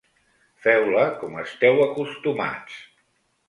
Feu-la com esteu acostumats.